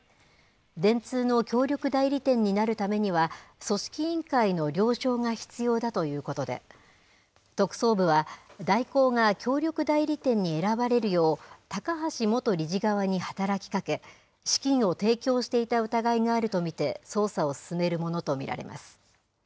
電通の協力代理店になるためには、組織委員会の了承が必要だということで、特捜部は、大広が協力代理店に選ばれるよう、高橋元理事側に働きかけ、資金を提供していた疑いがあると見て、捜査を進めるものと見られます。